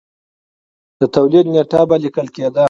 د تولید نېټه به لیکل کېده